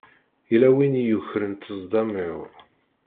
Yella win i yukren ṭṭezḍam-iw.